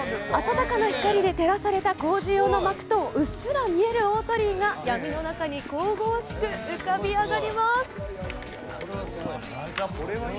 温かな光で照らされた工事用の幕とうっすら見える大鳥居が、闇の中に神々しく浮かび上がります。